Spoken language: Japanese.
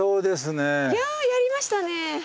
いややりましたね。